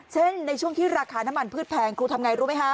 ในช่วงที่ราคาน้ำมันพืชแพงครูทำไงรู้ไหมคะ